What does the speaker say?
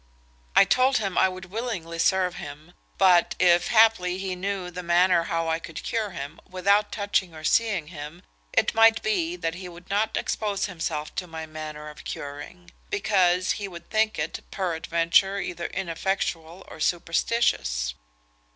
I told him I would willingly serve him; but if, haply, he knew the manner how I could cure him, without touching or seeing him, it might be that he would not expose himself to my manner of curing; because he would think it, peradventure, either ineffectual or superstitious.